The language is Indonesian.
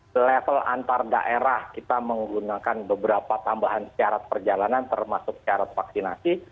di level antar daerah kita menggunakan beberapa tambahan syarat perjalanan termasuk syarat vaksinasi